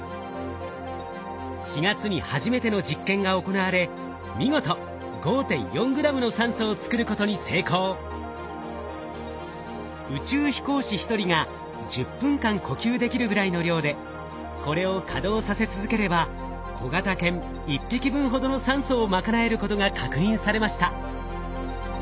４月に初めての実験が行われ見事宇宙飛行士１人が１０分間呼吸できるぐらいの量でこれを稼働させ続ければ小型犬１匹分ほどの酸素を賄えることが確認されました。